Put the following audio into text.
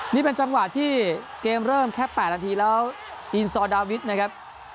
นี่เป็นจังหวะที่เกมเริ่มแค่๘นาทีแล้วอินซอร์ดาวิทย์นะครับ